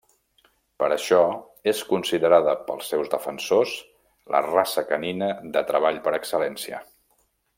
Per això, és considerada pels seus defensors, la raça canina de treball per excel·lència.